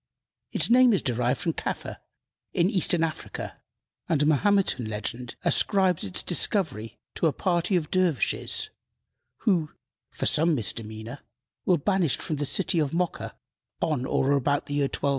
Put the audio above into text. Its name is derived from Kaffa, in Eastern Africa, and a Mahometan legend ascribes its discovery to a party of dervishes, who, for some misdemeanor, were banished from the city of Mocha on or about the year 1250.